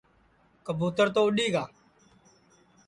کٻُوتر تو اُڈؔی گا